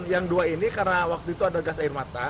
yang dua ini karena waktu itu ada gas air mata